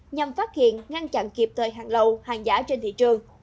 nhằm phát hiện ngăn chặn kịp thời hàng lậu hàng giả trên thị trường